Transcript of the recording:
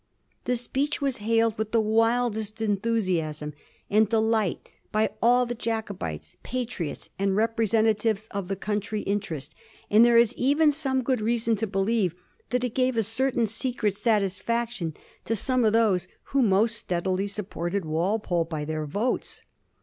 The speech was hailed with the wildest enthusiasm and delight by all the Jacobites, Patriots, and representatives of the country interest, and there is even some good reason to believe that it gave a certain secret satisfaction fb some of those who most 1734. AN EFFECTIVE REPLT. 15 Steadily supported Walpole by their votes.